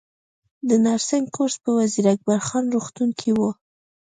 د نرسنګ کورس په وزیر اکبر خان روغتون کې و